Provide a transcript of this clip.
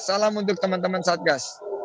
salam untuk teman teman satgas